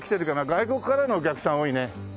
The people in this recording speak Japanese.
外国からのお客さん多いね。